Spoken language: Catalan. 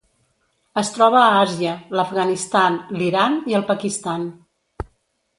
Es troba a Àsia: l'Afganistan, l'Iran i el Pakistan.